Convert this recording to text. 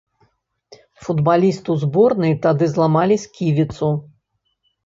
Футбалісту зборнай тады зламалі сківіцу.